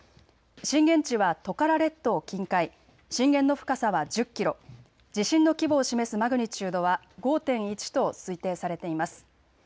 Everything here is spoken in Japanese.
震源地はトカラ列島近海、震源の深さは１０キロ、地震の規模を示すマグニチュードは５．１と推定されています。